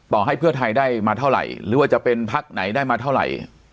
ให้เพื่อไทยได้มาเท่าไหร่หรือว่าจะเป็นพักไหนได้มาเท่าไหร่